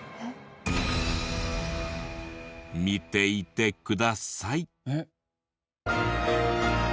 見ていてください。